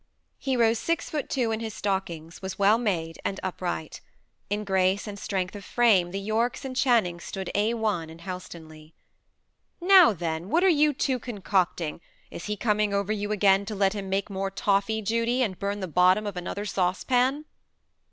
He rose six foot two in his stockings, was well made, and upright. In grace and strength of frame the Yorkes and the Channings stood A1 in Helstonleigh. "Now, then! What are you two concocting? Is he coming over you again to let him make more toffy, Judy, and burn out the bottom of another saucepan?"